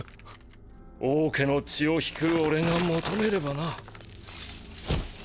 王家の血を引く俺が求めればな。